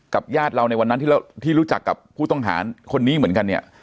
ญาติเราในวันนั้นที่รู้จักกับผู้ต้องหาคนนี้เหมือนกันเนี่ย